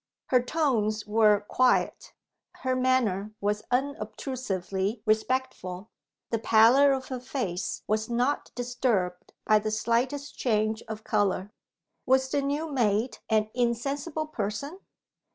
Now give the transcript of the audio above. Her tones were quiet; her manner was unobtrusively respectful; the pallor of her face was not disturbed by the slightest change of colour. Was the new maid an insensible person?